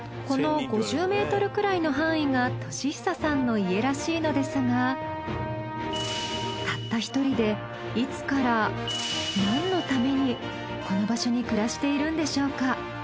この５０ｍくらいの範囲が敏久さんの家らしいのですがたった１人でいつから何のためにこの場所に暮らしているんでしょうか？